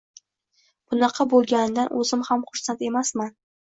Bunaqa boʻlganidan oʻzim ham xursand emasman.